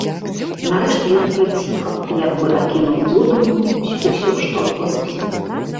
Нарэшце ён прыціх, як бы акінуў одумам усё, што адбылося.